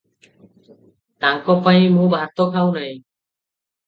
ତାଙ୍କପାଇଁ ମୁଁ ଭାତଖାଉନାହିଁ ।